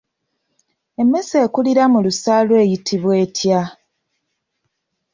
Emmese ekulira mu lusaalu eyitibwa etya?